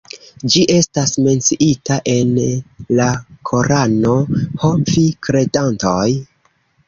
Ĝi estas menciita en la Korano: "Ho vi kredantoj!